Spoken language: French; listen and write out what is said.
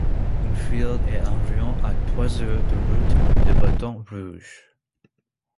Winnfield est environ à trois heures de route de Baton Rouge.